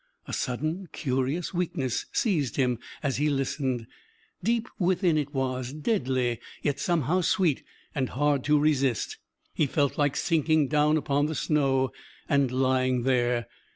A sudden, curious weakness seized him as he listened. Deep within it was, deadly yet somehow sweet, and hard to resist. He felt like sinking down upon the snow and lying there....